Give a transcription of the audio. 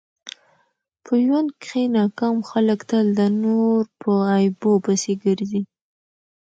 په ژوند کښي ناکام خلک تل د نور په عیبو پيسي ګرځي.